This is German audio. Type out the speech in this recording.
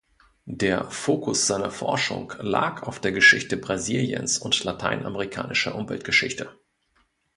Der Fokus seiner Forschung lag auf der Geschichte Brasiliens und lateinamerikanischer Umweltgeschichte.